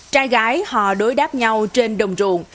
trai gái họ đối đáp nhau trên đồng ruồng